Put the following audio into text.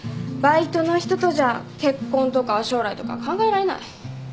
バイトの人とじゃ結婚とか将来とか考えられない。